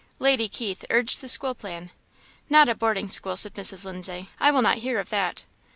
Lady Keith urged the school plan. "Not a boarding school," said Mrs. Lindsay; "I will not hear of that."